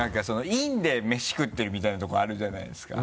陰で飯食ってるみたいなとこあるじゃないですか。